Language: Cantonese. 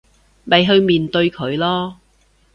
咪去面對佢囉